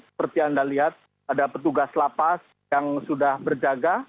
seperti anda lihat ada petugas lapas yang sudah berjaga